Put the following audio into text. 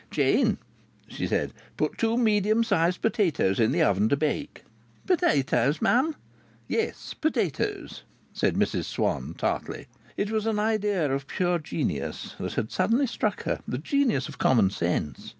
"Jane," she said, "put two medium sized potatoes in the oven to bake." "Potatoes, mum?" "Yes, potatoes," said Mrs Swann, tartly. It was an idea of pure genius that had suddenly struck her; the genius of common sense.